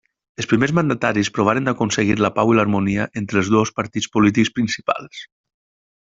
Els primers mandataris provaren d'aconseguir la pau i l'harmonia entre els dos partits polítics principals.